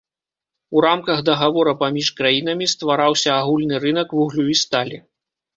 У рамках дагавора паміж краінамі ствараўся агульны рынак вуглю і сталі.